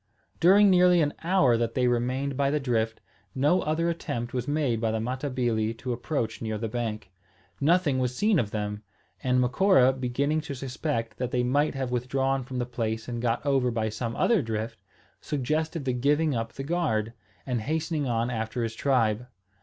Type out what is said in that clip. During nearly an hour that they remained by the drift, no other attempt was made by the Matabili to approach near the bank. Nothing was seen of them; and Macora, beginning to suspect that they might have withdrawn from the place and got over by some other drift, suggested the giving up the guard, and hastening on after his tribe.